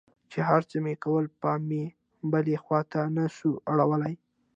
چې هرڅه مې کول پام مې بلې خوا ته نه سو اړولى.